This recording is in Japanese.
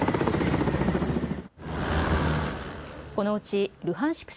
このうちルハンシク